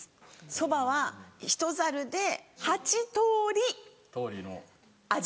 そばはひとざるで８通り味わいがある。